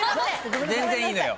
全然いいのよ。